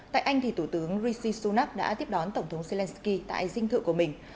tại anh thì thủ tướng rishi sunak đã tiếp đón tổng thống zelensky tại dinh thự của mình